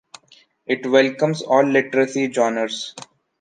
It welcomes all literary genres.